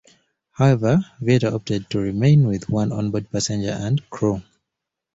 However Vietor opted to remain with the onboard passengers and crew.